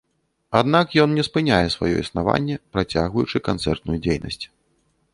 Аднак ён не спыняе сваё існаванне, працягваючы канцэртную дзейнасць.